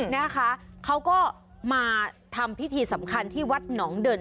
นะคะเขาก็มาทำพิธีสำคัญที่วัดหนองเดิน